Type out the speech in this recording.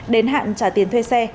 đến hạn trả tiền thuê xe